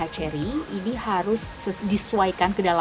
jadi ini harus dikawal